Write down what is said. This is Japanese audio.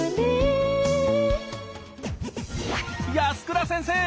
安倉先生！